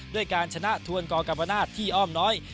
ด้วยการชนะทวนกกรรมนาศที่อ้อมน้อย